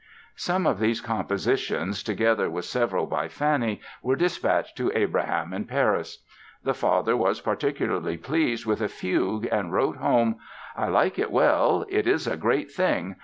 Some of these compositions, together with several by Fanny were dispatched to Abraham in Paris. The father was particularly pleased with a fugue and wrote home: "I like it well; it is a great thing.